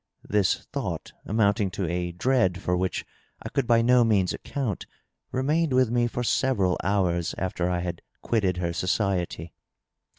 This thought, amounting to a dread for which I could by no means account, remained with me for several hours after I had quitted her society.